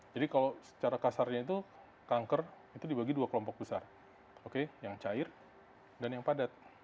jadi kalau secara kasarnya itu kanker itu dibagi dua kelompok besar oke yang cair dan yang padat